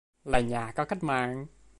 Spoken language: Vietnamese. là nhà cách mạng